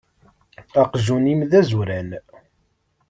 Aqjun-im d azuran.